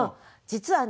実はね